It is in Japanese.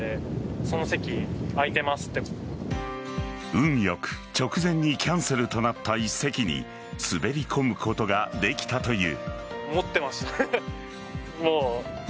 運良く直前にキャンセルとなった一席に滑り込むことができたという。